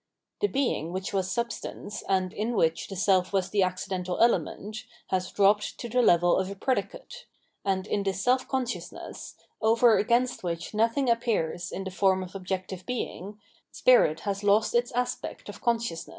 The Being which was substance, and in which the self was the accidental element, has dropped to the level of a predicate ; and in this self consciousness, over against which nothing appears in the form of objec tive Being, spirit has lost its aspect of consciousness.